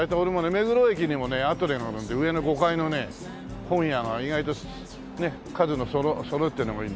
目黒駅にもねアトレがあるんで上の５階のね本屋が意外と数のそろってるのがいいんで。